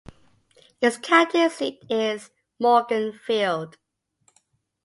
Its county seat is Morganfield.